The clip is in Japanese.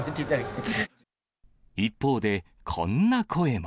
一方で、こんな声も。